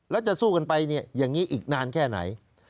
แล้วจะสู้กันไปอย่างนี้อีกนานแค่ไหน